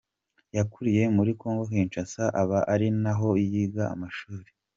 Yakuriye muri Congo Kinshasa aba ari na ho yiga amashuri.